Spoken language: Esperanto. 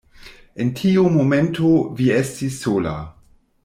En tiu momento, vi estis sola.